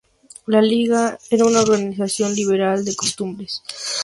La liga era una organización liberal de costumbres.